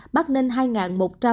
bắc ninh hai hai trăm linh sáu ca